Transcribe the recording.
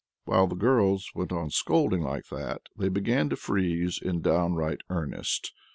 While the girls went on scolding like that, they began to freeze in downright earnest.